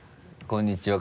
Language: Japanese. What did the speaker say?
こんにちは。